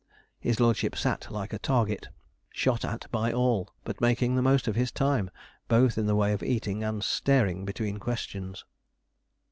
His lordship sat like a target, shot at by all, but making the most of his time, both in the way of eating and staring between questions.